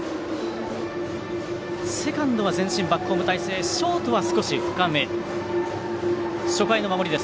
セカンドは前進バックホーム態勢ショートは少し深め。